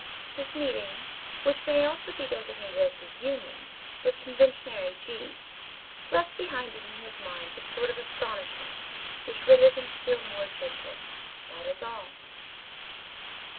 His meeting, which may almost be designated as his union, with conventionary G——, left behind it in his mind a sort of astonishment, which rendered him still more gentle. That is all.